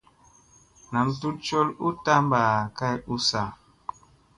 Nam tut col u tamba kay ussa.